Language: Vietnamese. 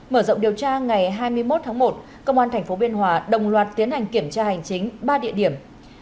mở rộng điều tra ngày hai mươi một tháng một công an tp biên hòa đồng loạt tiến hành kiểm tra hành chính ba địa điểm